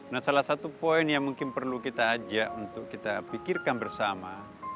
nah salah satu poin yang mungkin perlu kita ajak untuk kita pikirkan bersama